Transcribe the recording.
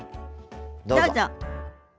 どうぞ。